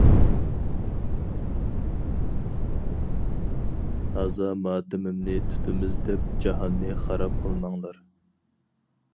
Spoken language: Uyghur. ھازا ماتىمىمنى تۇتىمىز دەپ جاھاننى خاراب قىلماڭلار.